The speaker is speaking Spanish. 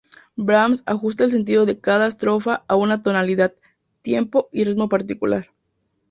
Brahms ajusta el sentido de cada estrofa a una tonalidad, tempo y ritmo particular.